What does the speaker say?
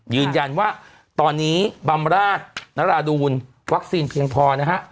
ยืนยันว่าตอนนี้บำราชนราดูลวัคซีนเพียงพอนะฮะ